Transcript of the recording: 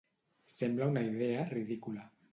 Sembla una idea ridícula.